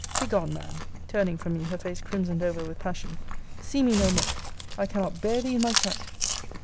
Begone, man! (turning from me, her face crimsoned over with passion.) See me no more! I cannot bear thee in my sight!